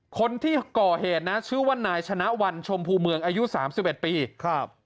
คนที่ก่อเหตุนะชื่อว่านายชนะวันชมภูเมืองอายุ๓๑ปีครับ